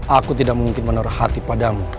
aku tidak mungkin menerhati padamu